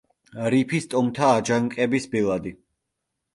რიფის ტომთა აჯანყების ბელადი.